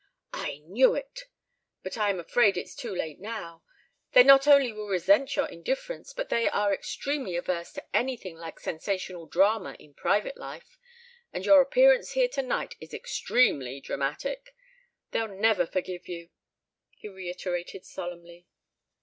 "I knew it! But I am afraid it's too late now. They not only will resent your indifference, but they are extremely averse to anything like sensational drama in private life. And your appearance here tonight is extremely dramatic! They'll never forgive you," he reiterated solemnly.